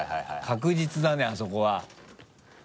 確実だねあそこは。